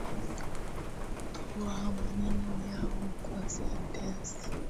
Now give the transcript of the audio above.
Toa maneno hayo kwa sentensi